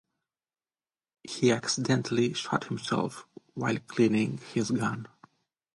He accidentally shot himself while cleaning his gun.